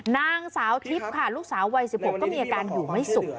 นางสาวทิพย์ค่ะลูกสาววัย๑๖ก็มีอาการอยู่ไม่สุข